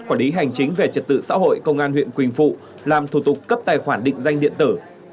quản lý hành chính về trật tự xã hội công an huyện quỳnh phụ làm thủ tục cấp tài khoản định danh điện tử